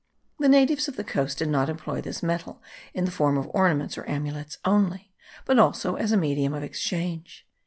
The natives of the coast did not employ this metal in the form of ornaments or amulets only; but also as a medium of exchange.